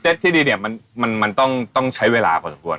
เซ็ตที่ดีเนี่ยมันต้องใช้เวลาพอสักครู่